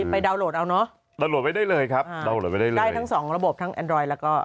ไปดาวน์โหลดเอาน่าดาวน์โหลดไว้ได้เลยครับได้ทั้งสองระบบทั้งอันดรอยด์แล้วก็